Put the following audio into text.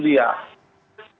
majelis hasil yang mulia